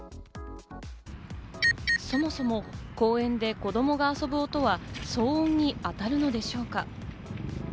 そもそも公園で子供が遊ぶ音は騒音にあたるのでしょうか？